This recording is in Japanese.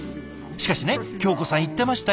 しかしね京子さん言ってましたよ。